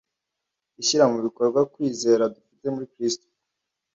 ishyira mu bikorwa kwizera dufite muri Kristo